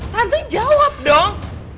tante jawab dong